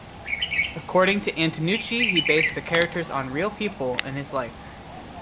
According to Antonucci, he based the characters on real people in his life.